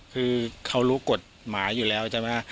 คือเขารู้กฎหมายอยู่แล้วใช่ไหม